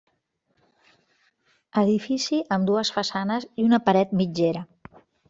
Edifici amb dues façanes i una paret mitgera.